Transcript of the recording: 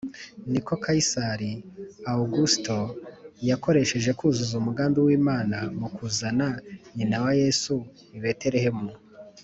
niko Kayisari Awugusito yakoreshejwe kuzuza umugambi w’Imana mu kuzana nyina wa Yesu i Beterehemu